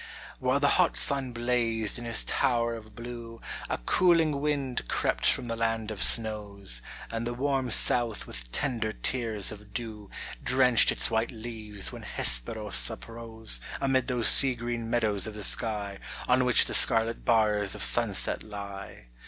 While the hot sun blazed in his tower of blue A cooling wind crept from the land of snows, And the warm south with tender tears of dew Drenched its white leaves when Hesperos uprose Amid those sea green meadows of the sky On which the scarlet bars of sunset lie.